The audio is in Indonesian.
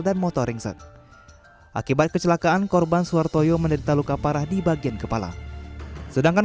dan motor ringset akibat kecelakaan korban suar toyo menderita luka parah di bagian kepala sedangkan